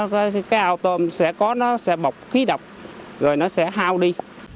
cái ao tôm sẽ bọc khí độc rồi nó sẽ hao đi